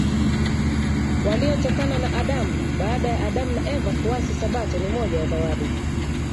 waliotokana na Adam Baada ya Adam na Eva kuasi Sabato ni moja ya Zawadi